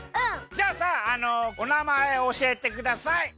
じゃあさお名前おしえてください。